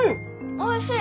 おいしい！